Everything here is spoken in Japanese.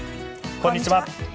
こんにちは。